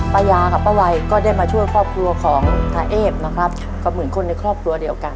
ยากับป้าวัยก็ได้มาช่วยครอบครัวของตาเอฟนะครับก็เหมือนคนในครอบครัวเดียวกัน